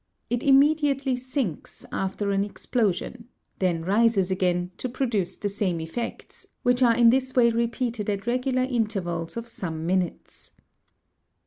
It immediately sinks, after an explosion, then rises again, to produce the same effects, which are in this way repeated at regular intervals of some mi nutes.